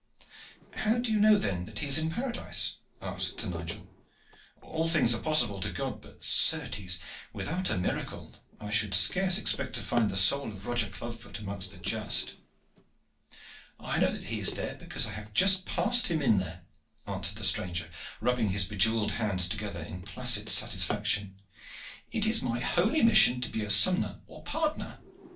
"How know you then that he is in paradise?" asked Sir Nigel. "All things are possible to God, but, certes, without a miracle, I should scarce expect to find the soul of Roger Clubfoot amongst the just." "I know that he is there because I have just passed him in there," answered the stranger, rubbing his bejewelled hands together in placid satisfaction. "It is my holy mission to be a sompnour or pardoner.